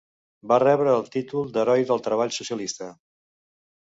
Va rebre el títol d'Heroi del Treball Socialista.